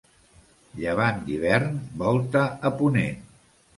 Llevant d'hivern, volta a ponent.